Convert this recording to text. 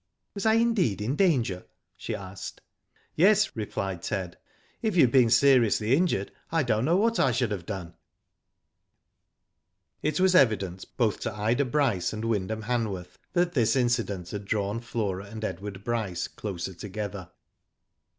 "Was I indeed in danger?" she asked. "Yes," replied Ted. "If you had been seriously injured I do not know what I should have done." It was evident both to Ida Bryce and Wyndham Hanworth that this incident had drawn Flora and Edward Bryce closer together.